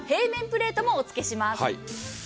平面プレートもおつけします。